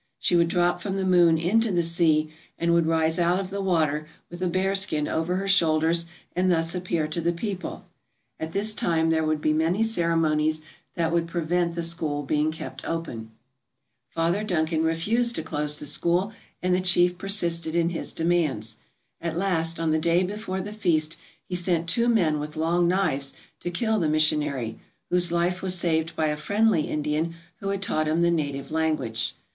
She would drop from the moon into the sea and would rise out of the water with a bearskin over her shoulders and thus appear to the people. At this time there would be many cere monies that would prevent the school being kept open. 15 :ALASKA OUR NORTHERN WONDERLAND Father Duncan refused to close the school and the chief persisted in his demands. At last, on the day before the feast, he sent two men with long knives to kill the mission ary, whose life was saved by a friendly Indian who had taught him the native language.